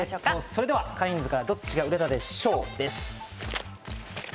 それではカインズから、どっちが売れたでＳＨＯＷ！です。